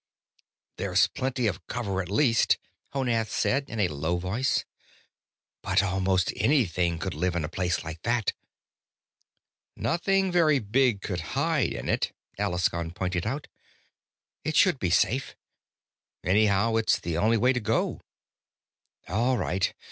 "There's plenty of cover, at least," Honath said in a low voice. "But almost anything could live in a place like that." "Nothing very big could hide in it," Alaskon pointed out. "It should be safe. Anyhow it's the only way to go." "All right.